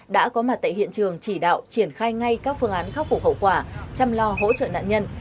đã có mặt tại hiện trường chỉ đạo triển khai ngay các phương án khắc phục hậu quả chăm lo hỗ trợ nạn nhân